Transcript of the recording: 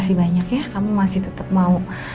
pasti banyak ya kamu masih tetep mau